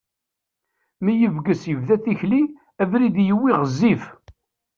Mi yebges yebda tikli, abrid i yewwi ɣezzif.